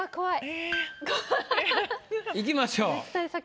ええ。いきましょう。